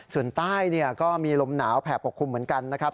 ส่วนใต้ก็มีลมหนาวแผ่ปกคลุมเหมือนกันนะครับ